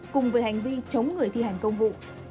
cùng với hành vi chống người thi hành công vụ